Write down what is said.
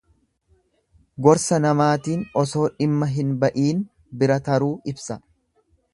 Gorsa namaatiin osoo dhimma hin ba'iin bira taruu ibsa.